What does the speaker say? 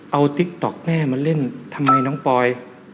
เอาติ๊กต๊อกแม่มาเล่นทำไมน้องปอย